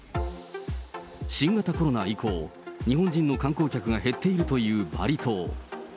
新型コロナ以降、日本人の観光客が減っているというバリ島。